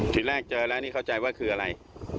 ทีแรกเจอแล้วนี่เข้าใจว่าคืออะไร